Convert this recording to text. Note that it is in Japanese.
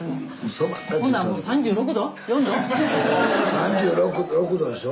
３６℃でしょ。